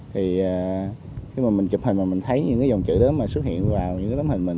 thì khi mà mình chụp hình mà mình thấy những dòng chữ đó mà xuất hiện vào những lấm hình mình